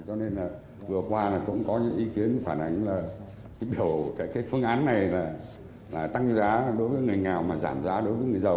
cho nên là vừa qua là cũng có những ý kiến phản ánh là cái phương án này là tăng giá đối với người nghèo mà giảm giá đối với người giàu